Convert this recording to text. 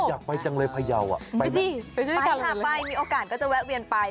อยากไปจังเลยพยาวอ่ะไปสิไปหาไปมีโอกาสก็จะแวะเวียนไป